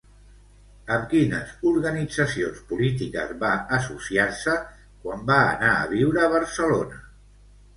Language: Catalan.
Amb quines organitzacions polítiques va associar-se quan va anar a viure a Barcelona?